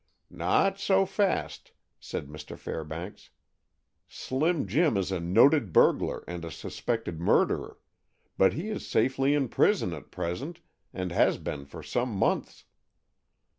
"Not so fast," said Mr. Fairbanks. "Slim Jim is a noted burglar and a suspected murderer, but he is safely in prison at present and has been for some months."